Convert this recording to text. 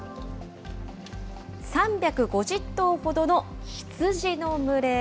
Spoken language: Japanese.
３５０頭ほどの羊の群れ。